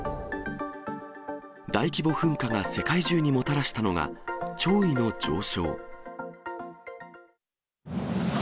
大規模噴火が世界中にもたらしたのが、潮位の上昇。